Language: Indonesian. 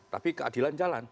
tapi keadilan jalan